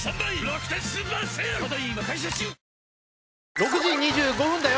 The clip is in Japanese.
６時２５分だよ！